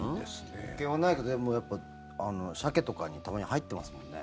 経験はないけどシャケとかにたまに入ってますもんね。